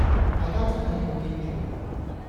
大家真係要記住